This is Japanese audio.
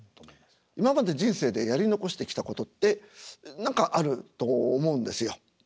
今まで人生でやり残してきたことって何かあると思うんですよ。